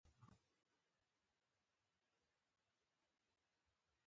هولمز په خپله څوکۍ کې ډډه ووهله.